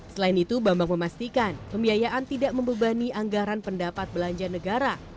selain itu bambang memastikan pembiayaan tidak membebani anggaran pendapat belanja negara